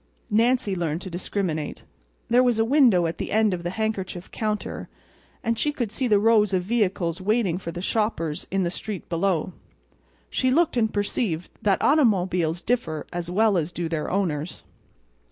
Nancy learned to discriminate. There was a window at the end of the handkerchief counter; and she could see the rows of vehicles waiting for the shoppers in the street below. She looked and perceived that automobiles differ as well as do their owners.